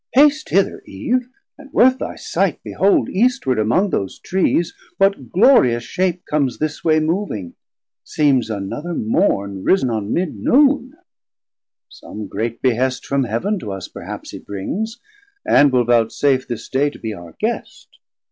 Haste hither Eve, and worth thy sight behold Eastward among those Trees, what glorious shape FULL SIZE Medium Size Comes this way moving; seems another Morn 310 Ris'n on mid noon; som great behest from Heav'n To us perhaps he brings, and will voutsafe This day to be our Guest.